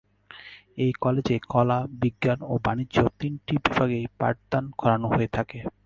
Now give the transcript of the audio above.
এই কলেজে কলা, বিজ্ঞান এবং বাণিজ্য তিন বিভাগেই পাঠদান করানো হয়ে থাকে।